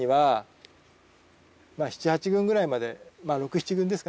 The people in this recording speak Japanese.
７８群ぐらいまで。